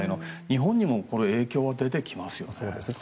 日本にも影響が出てきますよね。